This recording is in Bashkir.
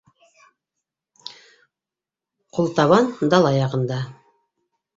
Ҡултабан дала яғында.